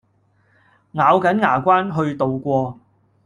咬緊牙關去渡過